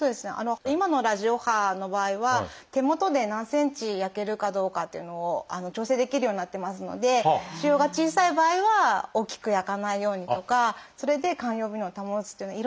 今のラジオ波の場合は手元で何ｃｍ焼けるかどうかっていうのを調整できるようになっていますので腫瘍が小さい場合は大きく焼かないようにとかそれで肝予備能を保つっていういろんな工夫を。